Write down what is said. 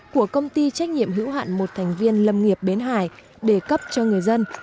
của công ty trách nhiệm hữu hạn một thành viên lâm nghiệp bến hải để cấp cho người dân